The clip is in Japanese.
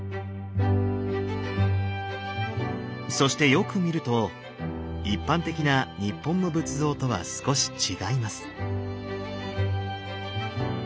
そしてよく見ると一般的な日本の仏像とは少し違います。